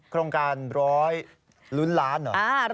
โครงการ๑๐๐ลุ้นล้านเหรอ